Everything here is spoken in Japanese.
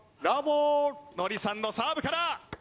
ノリさんのサーブから！